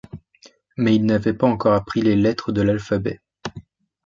Mais il n'avait pas encore appris les lettres de l'alphabet.